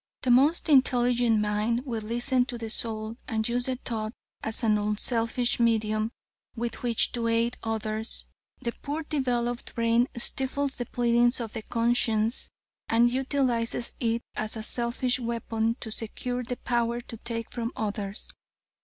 The most intelligent mind will listen to the soul, and use the thought as an unselfish medium with which to aid others. The poorly developed brain stifles the pleadings of the conscience and utilizes it as a selfish weapon to secure the power to take from others.